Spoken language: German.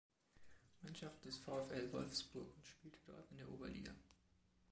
Mannschaft des VfL Wolfsburg und spielte dort in der Oberliga.